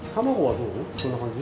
どんな感じ？